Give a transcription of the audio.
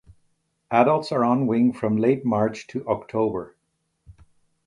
Adults are on wing from late March to October.